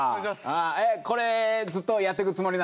えっこれずっとやっていくつもりなの？